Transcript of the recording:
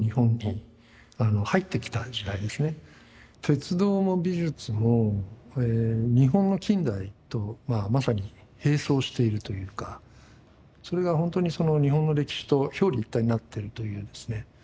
鉄道も美術も日本の近代とまさに並走しているというかそれが本当に日本の歴史と表裏一体になってるというですね